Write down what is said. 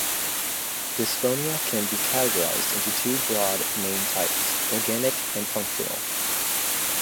Dysphonia can be categorized into two broad main types: organic and functional.